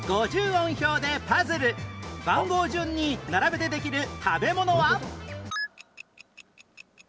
番号順に並べてできる食べ物は？